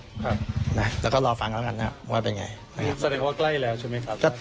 ครับนะแล้วก็รอฟังแล้วกันนะว่าเป็นไงอันนี้แสดงว่าใกล้แล้วใช่ไหมครับ